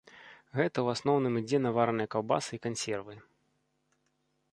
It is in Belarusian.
Гэта ў асноўным ідзе на вараныя каўбасы і кансервы.